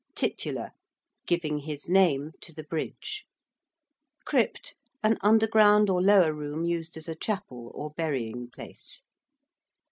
~titular~: giving his name to the bridge. ~crypt~: an underground or lower room used as a chapel or burying place.